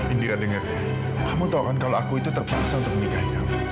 indira denger kamu tau kan kalau aku itu terpaksa untuk menikahi kamu